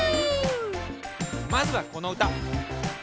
まずはこのうた。